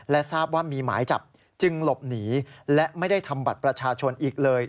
ทราบว่ามีหมายจับจึงหลบหนีและไม่ได้ทำบัตรประชาชนอีกเลย